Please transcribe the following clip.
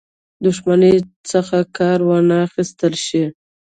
دښمنۍ څخه کار وانه خیستل شي.